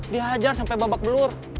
dihajar sampai babak belur